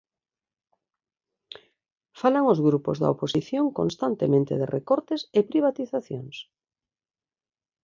Falan os grupos da oposición constantemente de recortes e privatizacións.